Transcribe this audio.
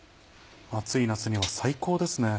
暑い夏には最高ですね。